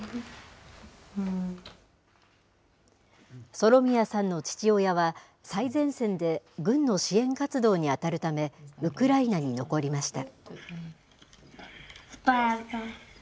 ソロミヤさんの父親は、最前線で軍の支援活動に当たるため、ウクライナに残りました。